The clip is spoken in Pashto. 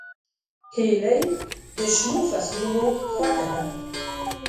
هیلۍ د شنو فصلونو خوښه ده